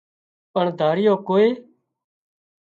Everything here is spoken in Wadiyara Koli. پڻ ڌاريون ڪوئي